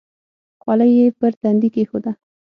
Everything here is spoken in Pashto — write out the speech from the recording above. خولۍ یې پر تندي کېښوده.